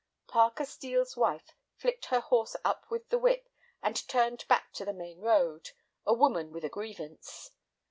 Parker Steel's wife flicked her horse up with the whip and turned back to the main road, a woman with a grievance.